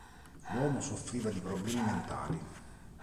L'uomo soffriva di problemi mentali.